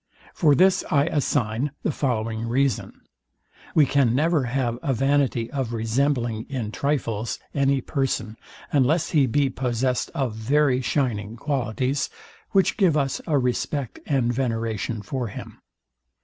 For this I assign the following reason. We can never have a vanity of resembling in trifles any person, unless he be possessed of very shining qualities, which give us a respect and veneration for him.